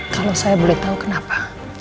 kalau saya boleh tahu kenapa